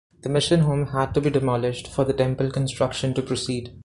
The mission home had to be demolished for the temple construction to proceed.